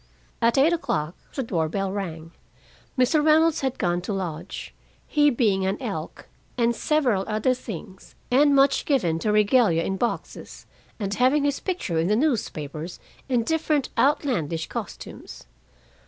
At eight o'clock the door bell rang. Mr. Reynolds had gone to lodge, he being an Elk and several other things, and much given to regalia in boxes, and having his picture in the newspapers in different outlandish costumes.